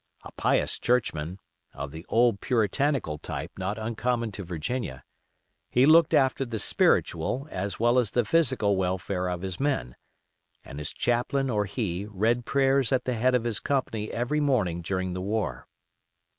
A pious churchman, of the old puritanical type not uncommon to Virginia, he looked after the spiritual as well as the physical welfare of his men, and his chaplain or he read prayers at the head of his company every morning during the war.